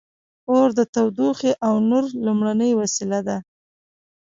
• اور د تودوخې او نور لومړنۍ وسیله وه.